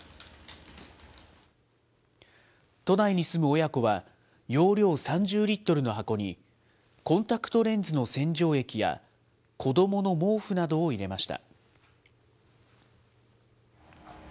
都内に住む親子は、容量３０リットルの箱に、コンタクトレンズの洗浄液や子どもの毛布などを入れました。